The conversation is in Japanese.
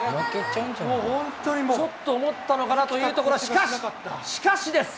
ちょっと思ったのかなというところ、しかし、しかしです。